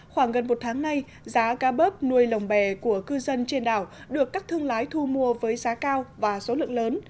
khoảng gần một tháng nay giá cá bớp nuôi lồng bè của cư dân trên đảo được các thương lái thu mua với giá cao và số lượng lớn